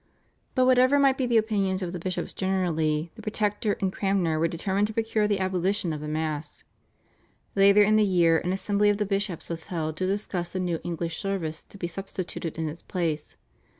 But whatever might be the opinions of the bishops generally the Protector and Cranmer were determined to procure the abolition of the Mass. Later in the year an assembly of the bishops was held to discuss the new English service to be substituted in its place.